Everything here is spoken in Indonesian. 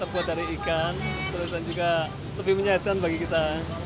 buat dari ikan terus dan juga lebih menyaitkan bagi kita